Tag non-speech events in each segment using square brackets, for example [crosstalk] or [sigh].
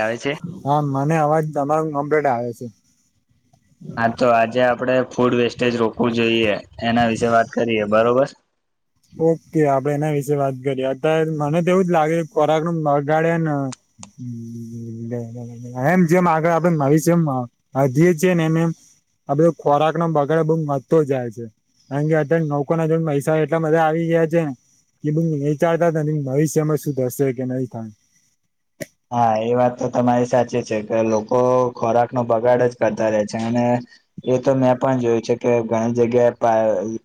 આવે છે હા મને અવાજ તમારો કોમ્પ્લેટ આવે છે. હા તો આજે આપડે ફૂડ વેસ્ટેજ રોકવું જોઈએ એના વિશે વાત કરીએ બરોબર ઓકે આપડે એના વિશેે વાત કરીએ અત્યારે મને તો એવું જ લાગે ખોરાક નુ બગાડ્યાને એમ જેમ આગળ આપણે ભવિષ્યમાં અ જે છે, ને એમ એમ આ બધા ખોરાકનો બગડ બો વધતો જાય છે કારણ કે અત્યારે નોકોને જો પૈસા એટલા બધા આવી ગયા છે ને કે બુ વિચારતા ને ભવિષ્યમાં શું થશે કે નહી થાય હા એ વાત તો તમારી સાચી છે, કે લોકો ખોરાક નો બગાડ જ કરતા રહેે છે, અને એ તો મેં પણ જોયું છે, કે ઘણી જગ્યાએ પા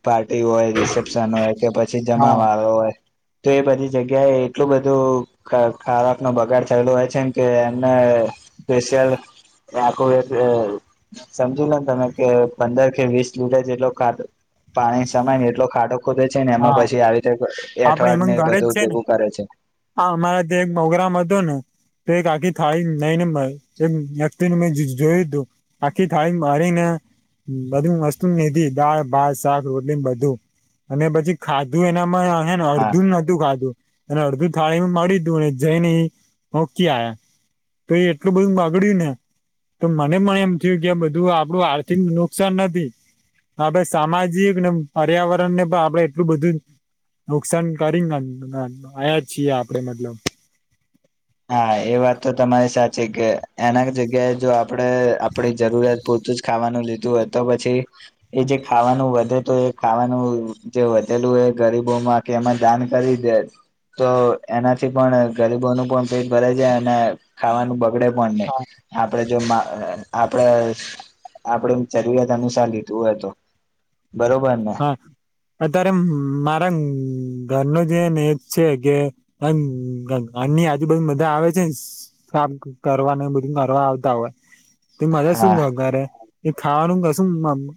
પાર્ટી હોય રિસેપ્શન હોય કે પછી હા જમાવાળો હોય તો એ બધી જગ્યાએ એટલું બધું ખ ખરાકનો બગાડ થથેલો હોય છે એમ કે એમને પેશિયલ આખું એ સમજી લો ને તમે કે પંદર કે વીસ લીટર જેટલો ખાધો પાણી સમય ને એટલો ખાડો ખોદે છે, ને એમાં હા પછી આવી રીતે આપડે એઠવાડ એનુ ને ઘરે જ બધું છે ને ભેગું કરે છે હા અમારા ત્યાં એક પ્રગ્રામ હતો ને તો એક આખી થાળી નઈ ને વતિ મે જોયું તું આખી થાળી મારીને બધી વસ્તુ મેધી દાળ, ભાત, શાક, રોટલી, બધું અને પછી ખાધું એનામાં અને હા અડધું નોતું ખાધું અને અડધી થાળીનુ મળી તું અને જઈને મુકી આયા તો એ એટલું બધું બગડ્યું ને તો મને પણ એમ થયું કે આ બધું આપડું આર્થિક નુકસાન નથી આપણે સામાજિક ને પર્યાવરણ ને પણ આપડે એટલું બધું નુકસાન કરીને ન આયા છીએ આપડે મતલબ હા એ વાત તો તમારી સાચી કે એના જગ્યાએ જો આપડે આપડી જરૂરિયાત પુર તું જ ખાવાનું લીધું હોય તો પછી એ જે ખાવાનું વધે તો એ ખાવાનું જે વધે લુ એ ગરીબોમાં કે એમાં દાન કરી દે તો એનાથી પણ ગરીબોનું પણ પેટ ભરેય જાય અને ખાવાનું બગડે પણ નહી હા આપડે જો આપડે આપડે જરૂરિયાત અનુસાર લીધું હોય તો. બરોબર ને હા અત્યારે મારા ઘર નુ જે એ છે કે ઘરની આજુબાજુ બધા આવે છે ન કામ કરવા નુ બધું કરવા આવતા હોય. તે બધા શું હા કહ ઘરે એ ખાવાનું કશું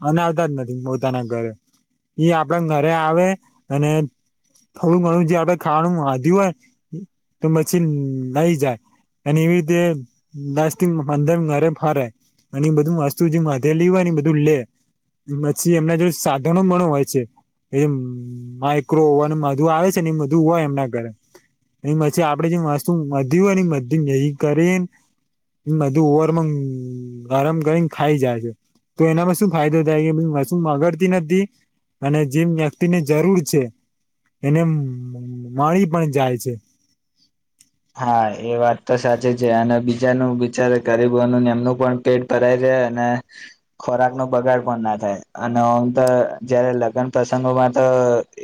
બઅનાવતા જ નથી પોતાના ઘરે ઈ આપડા ઘરે આવે અને થોડું ઘણું જે આપડે ખાવાનું વધ્યું હોય તો પછી લઈ જાય અને એવી રીતે દસ થી પંદર ઘરે ફરે. અને એ બધું વસ્તુ જે વધેલી હોય બધું લે પછી એમને જો સા ઘનો માણો હોય છે. એ માઇક્રો ઓવન બધું આવે છે ને એ બધું હોય એમના ઘરે એ પછી આપડે જે વસ્તુ વધી હોય બધી ભેગી કરી બધું ઓવરમાં આરામ કરીને ખાઈ જાય છે. તો એનામાં શું ફાયદો થાય વસ્તુ બગડ તી નથી અને જેમ વ્યક્તિની જરૂર છે. એને મળી પણ જાય છે. હા એ વાત તો સાચી છે અને બીજાનું બિચારે ગરીબોનુંને એમનું પણ પેટ ભરાય જા છે અને ખોરાક નો બગાડ પણ ના થાય અનેમ તો જયારે લગ્ન પ્રસંગોમાં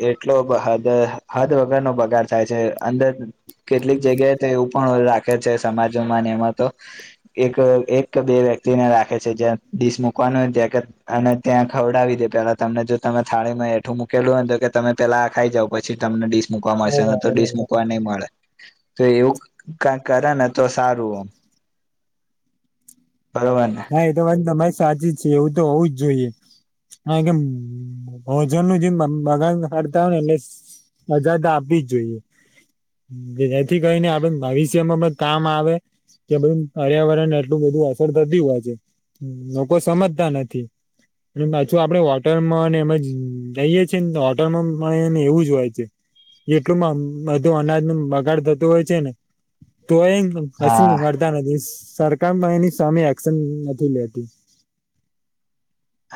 એટલો હદ હદ વગર નો બગાડ થાય છે, અંદર કેટલીક જગ્યાએ એવ પણ રાખે છે, સમાજોમાં એમાં તો એક એક બે વ્યક્તિને રા ખેં છે જ્યાં ડીશ મૂકવાનો અને ત્યાં ખવડાવી દે પેલા તમને જો તમે થાળીમાં એઠું મુ કેલું તો કે તમે પેલા આ ખાઈ જાવ પછી તમને ડીશ મૂકવા મળશેને તો ડીશ મૂકવા નહી મળે. તો એવું ક-કરે ને તો સારું. બરોબર ને હા એ તો વાત તમારી સાચી જ છે, એવું તો હોવું જ જોઈએ હા કેમ ભોજન નું જે બગાડ કરતા હોય એને સજા આપી જ જોઈએ. જેથી કરીને આપડે ભવિષ્યમાં પણ કામ આવે. કે બધું પર્યાવરણને એટલું બધું અસર થતી હોય છે લોકો સમજતા નથી. અને પાછું આપડે હોટલમાં એમાં જ જઈએ છેએ ને હોટલમાં પણને એવું જ હોય છે. એટલુંમાં બધું અનાજ નુ બગાડ થતું હોય છે ને તો એમ કસું હા કરતા નથી સરકારમાં સામે એક્શન નથી લેતી.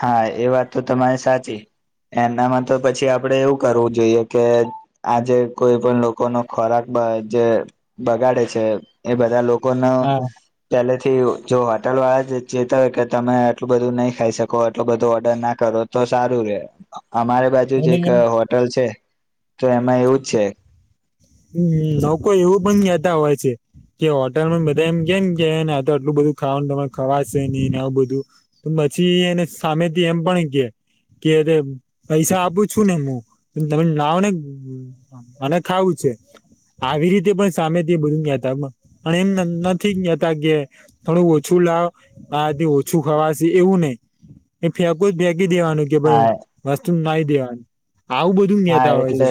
હા એ વાત તો તમારે સાચી. એનામાં તો પછી આપડે એવું કરવું જોઈએ કે આજે કોઈ પણ લોકો નો ખોરાક બ જે બગાડે છે એ બધા લો કો ને હા પેલે થી જો હોટલ વાળા ચેતવે કે તમે આટલું બધું નહી ખાઈ શ કો આટલું બધો ઓર્ડર ના કરો તો સારું રે અમારી બાજુ જ એક અને હોટલ છે. તો એમાં એવું છે. લોકો એવું પણ કેતા હોય છે. કે હોટલમાં બધા એમ કે ને કેને આ તો આટલું બધું ખાવાનું તમારે ખવાશે નહીને આવું બધું પછી એને સામેથી એમ પણ કે કે પૈસા આપું છું ને હું તને લાવ ને મારે ખાવું છે. [inaudible] આવી રીતે પણ સામે તે બધું કેતા પણ એમ નથી કેતા કે થોડું ઓછું લા આ જે ઓછું ખવાશે એવું નહી ફેકો તો ફેકી કી દેવાનું કે ભ હા વસ્તુ નાઈ દેવાનું આવું બધું હા નતા હોય છે. એટલે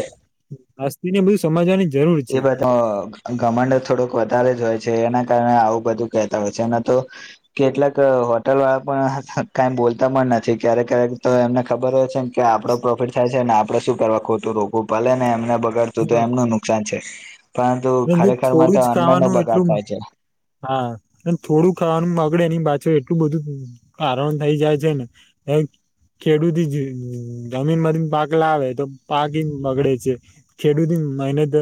આસ્થથી ને બધુ સમજવાની જરૂર એ છે. બધો ઘમંડ થોડોક વધારે જ હોય છે. એના કારણે આવું બધું કેતા હોય છે. તો કેટલાક હોટલ વાળા પણ બોલતા નથી ક્યારેક ક્યારેક તો એમને ખબર હો છેને કે આપડો પ્રોફિટ થાય છે અને આપડે શું કરવા ખોટું રો ભલે ને એમને બગાડતું હા તો એમનું નુકસાન છે. પરંતુ અને જે ખરેખર માં તો થોડું જ અન્નનો ખાવાનું બગાડ એટલું થાય છે. હા થોડું ખાવાનું બગડે એની પાછો એટલું બધું કારણ થઈ જાય છે ને ખેડૂત જ-જમીન થી પાક લાવે તો પાક બગડે છે. ખેડૂત મહેનત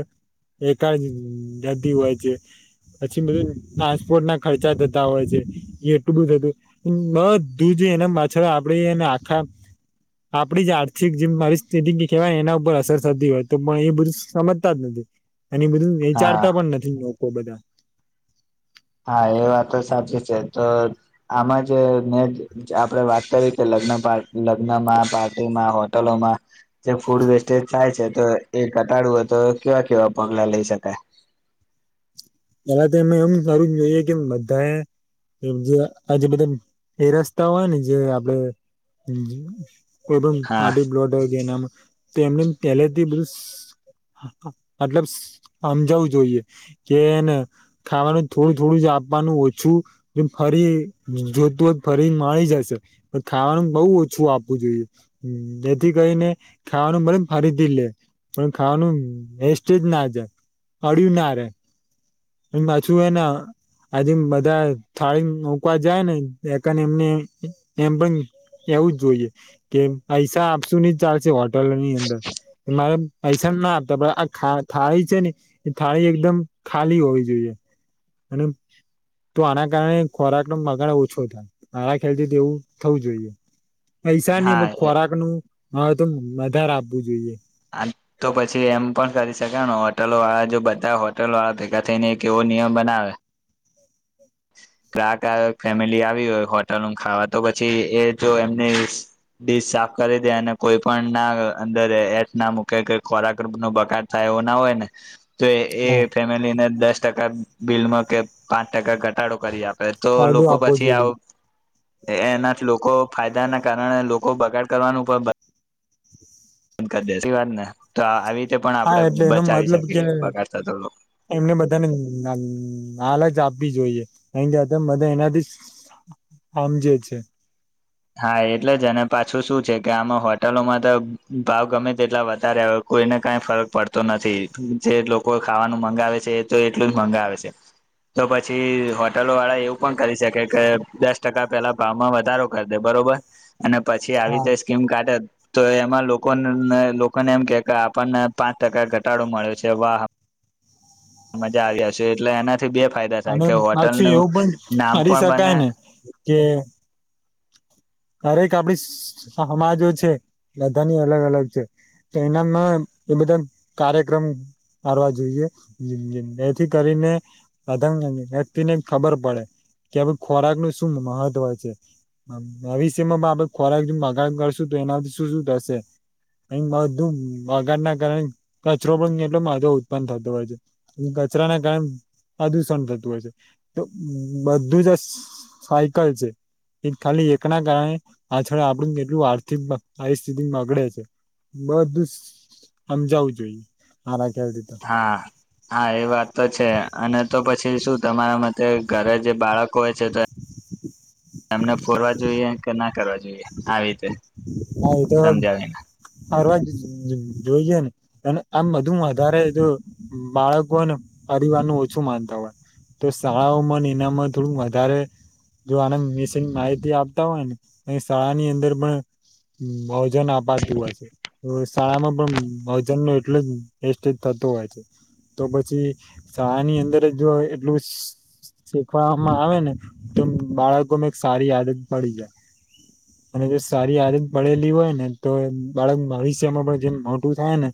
એકાદ જતી હોય છે. પછી બધું ટ્રાન્સપોર્ટ ના ખર્ચા થતા હોય છે એટલું બધું થતું બધું છે. એના પાછળ આપડે પળી અને આખા આપડી જ આર્થિક જે મારી સ્થિતિ કેવાય એના ઉપર અસર થતી હોય તો પણ એ બધું સમજતા જ નથી. એની બધું હા વિચારતા પણ નથી લોકો બધા. હા એ વાત તો સાચી છે. તો આમાં જ ને આપડે વાત કરી કે [unintelligible] લગ્નમાં પાર્ટીમાં હોટલોમાં જે ફૂડ વેસ્ટેજ થાય છે તો એ કટાડવ હોય તો કેવા કેવા પગલા લઈ શકાય. પેલા તો એમાં એમ સારું જોઈએ કે બધા એ એ જે આજ બધા એ રસ્તાઓ હોય ને જે આપડે કોઈ પણ હા પાર્ટી બ્લોડ એનામાં તો એમને પેલાથી બધું મતલબ સમજાવું જોઈએ કે ખાવાનું થોડું થોડું આપવાનું ઓછું ફરી જોતું હો ફરી મળી જશે પણ ખાવાનું બહ ઓછું આપવું જોઈએ જેથી કરીને ખાવાનું મને ફરી થી લે પણ ખાવાનું વેસ્ટ જ ના છે પળ્યું ના રે. એમાં પાછું એને આજે બધા થાળી મુકવા જાય ને એ એમને એમ પણ એવું જ જોઈએ કે મારે પૈસા ના આપતા પડ આ થાળી છે ને એ થાળી એકદમા ખાલી હોવી જોઈએ અને તો આના કારણે ખોરાક નો બગડ ઓછો થાય નાના ખેલતી તેવું થવું જોઈએ પૈસા હા નહી એ ખોરાક નું તો વધારે આપવું જોઈએ તો પછી એમ પણ કરી શક હોટલો વાળા જો બધા હોટલ વાળા ભેગા થઈ ને એક કેવો નિયમ બનાવે [inaudible] કક ફેમિલી આવી હોય હોટલ નું ખાવા તો પછી એ જો એમની સાફ કરી દે અને કોઈ પણ ના અંદર એથ ના મૂકે કે ખોરાક રપ ન બગડ થાય એવું ના હોય ને તો એ હા ફેમિલીને દસ ટકા બિલમાં કે પાંચ ટકા ઘટાડો કરી આપે તો ફાયદો લોકો આપવો પછી આવ જોઈએ એનાથી લોકો ફાયદા ના કારણે લોકો બગાડ કરવાનું પણ બંધ કરી દે વાત ને તો આવી રીતે પણ હા આપણે એટલે એનો બચાવી મતલબ કે શકીએ બગાડ થતો એમને બધાને હાલ જ આપ આપી જોઈએ નહી બધા એનાથી આમજે છે હા એટલે જ અને પાછું શું છે કે આમાં હોટલોમાં તો ભાવ ગમે તે એટલા વધારે કોઈને કંઈ ફરક પડતો નથી જે લોકો ખાવાનું મંગાવે છે એ તો એટલું જ મંગાવે છે તો પછી હોટલો વાળા એવું પણ કરી શકે કે દસ ટકા પેલા ભાવમાં વધારો કરી દે બરોબર અને પછી આવી રીતે સ્કીમ કાઢે તો એમાં લોકો લોકોને એમ કે કે આપણને પાંચ ટકા ઘટાડો મળ્યો છે વાહ મજા આવ્યા છે એટલે એના થી બે ફાયદા થ અને કે હોટલ પાછું નું એવું પણ નામ કરી પણ બને શકાય ને કે કરેક આપડી સમાજો છે બધાની અલગ અલગ છે તો એનામાં એ બધા કાર્યક્રમ કરવા જોઈએ એથી કરીને અધંગ વ્યક્તિ ને ખબર પડે કે ભ ખોરાક ન શું મહત્વ છે ભવિષ્યમાં આપડે ખોરાક મગાવ કરશું તો એનાથી શું શું થશે અ બધું બગાર ના કારણે કચરો પણ કેટલો માધો ઉત્પન્ન થતો હોય છે કચરા ના કાયમ પ્રદૂષણ થતું હોય છે તો બધું જ આ સાયકલ છે એ ખાલી એકના કારણે આછળ આપણું કેટલું આર્થિક આવીસ્થિતિમાં બગડે છે બધું સમજાવું જોઈએ હાર હા હા એ વાત તો છે અને તો પછી શું તમારા મતે ઘરે જે બાળક છે તો એમને ફોરવા જોઈએ કે ના કરવા જોએ આવી રીતે હા એ તો સમજાવીને ફરવા જોઈએ ને અને આમ બધું વધારે જો બાળકોને પરિવારનું ઓછું માનતા હોય તો શાળાઓમાં એનામાં થોડું વધારે જો આને મિશીન માહિતી આપતા હોય ને શાળાની અંદર પણ ભજન અપાતું હોય છે શાળામાં પણ ભજન એટલું જ વેસ્ટેજ થત હોય છે તો પછી શાળાની અંદર જો એટલું શીખવામાં આવે ને તો બાળકો માં એક સારી આદત પડી જાય અને જો સારી આદત પડેલી હોય ને તો બાળક ભવિષ્યમાં પણ જેમ મોટું થાય ને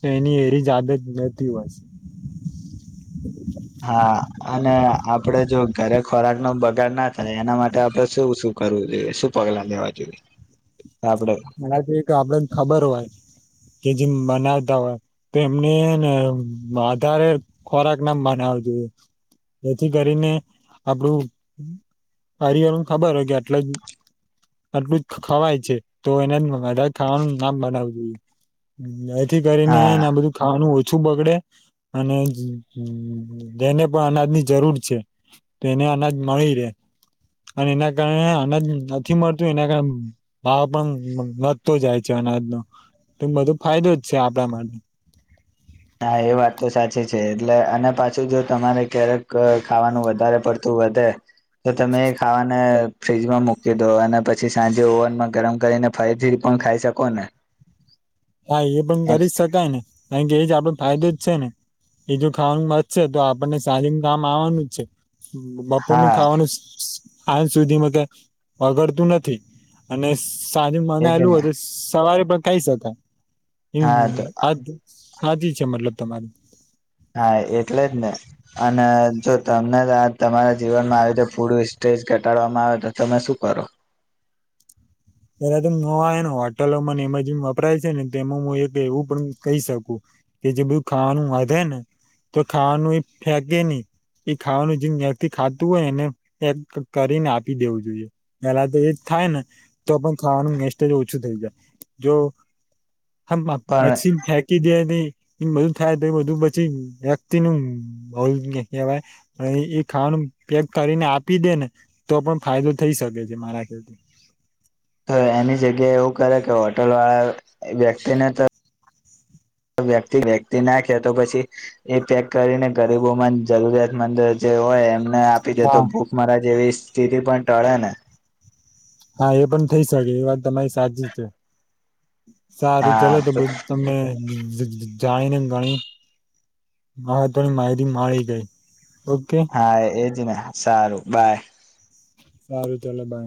તો એની એરી જ આદત નતી હોત હા અને આપડે જો ઘરે ખોરાક નો બગાડ ના થાય એના માટે આપડે શું શું કરવું જોઈએ શું પગલા લેવા જોઈએ આપડે મ તોબ્ડને ખબર હોય કે જે બનાવતા હોય તો એમનેને આધારે ખોરાક નામ બનાવ જોઈએ હ જેથી કરીને આપડું પરિવાર ખબર હોય કે આટલે જ આટલું જ ખવાય છે તો એને બધા ખાવાનું નામ બનાવું જોઈએ એથી કરીને હા આ બધું ખાવાનું ઓછું બગડે અને જેને પણ અનાજની જરૂર છે તેને અનાજ મળી રહે અને એના કારણે અનાજ નથી મળતું એના કારણે પણ વધતો જાય છે અનાજનો તો બધો ફાયદો જ છે આપણા માટે હા એ વાત તો સાચી છે એટલે અને પાછું જો તમારે ક્યારેક ખાવાનું વધારે પડતું વધે તો તમે ખાવાને ફ્રીજમાં મૂકી દો અને પછી સાંજે ઓવનમાં ગરમ કરીને ફરીથી પણ ખાઈ શકો ને હા એ પણ કરી જ શકાય ને કારણ કે એજ આપડે ફાયદો જ છે ને એજ ખાવાનું મતશે તો આપણને ચાલી કામ આવવાનું જ છે બપોર નું હા ખાવાનું આજ સુધીમાં ક વગડતું નથી અને સાંજ એજ મનાયેલું ને હોય તો સવારે પણ ખાઈ શકાય હા હમ તો સાદી છે મતલબ તમારી હા એટલે જ ને અને જો તમને તમારા જીવનમાં આવી્યું તો પૂડું ઈ ઘટાડવામાં આવે તો તમે શું કરો ત્યારે ત ન આવે ને હોટલોમાંને એમાંજીન વપરાય છે ને તેમાં હું એક એવું પણ કહી શકું કે જે બધું ખાવાનું વધે ને. તો ખાવાનું એ ફેંકે નહી. એ ખાવાનું જેથી ખાતું હોય એને એક કરીને આપી દેવું જોઈએ પેલા તો એ જ થાય ને તો પણ ખાવાનું મેસ્ટજ ઓછું થઈ જાય, જો હમ્મ પણ પછી [unintelligible] ફેંકી દે [unintelligible] નહી. એ બધું થાય તો બધું પછી વ્યક્તિ નું ભલ કેહેવાય. એ ખાવાનું પેક કરીને આપી દે ને તો પણ ફાયદો થઈ શકે છે. મારા ખેતી [unintelligible] [inaudible] તો એની જગ્યાએ એવું કરે કે હોટલ વાળા વ્યક્તિને તો વ્યક્તિ વ્યક્તિ નાખે તો પછી એ પેક કરીને ગરીબોમાં જરૂરિયાતમંદ જે હોય એમ ને આપી દે હા તો ભૂખ મરા જેવી સ્થિતિ પણ ટળે ને? હા, એ પણ થઇ શકે એ વાત તમારી સાચી છે. સારું ચલે તો હા બધું તમને જાણી ને ગણી. હા, થોડી માહિતી માળી ગઈ. ઓકે હા, એજ ને સારું બાય. સારું ચલ ભાઈ.